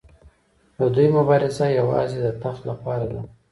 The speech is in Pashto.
د دوی مبارزه یوازې د تخت لپاره ده.